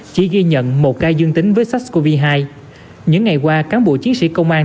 chỉ ghi nhận một ca dương tính với sars cov hai những ngày qua cán bộ chiến sĩ công an